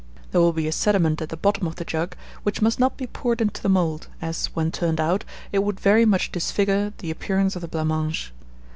There will be a sediment at the bottom of the jug, which must not be poured into the mould, as, when turned out, it would very much disfigure the appearance of the blanc mange.